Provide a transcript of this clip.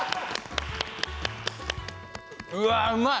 うわうまい！